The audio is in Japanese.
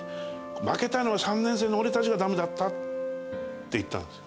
「負けたのは、３年生の俺たちがダメだった」って言ったんですよ。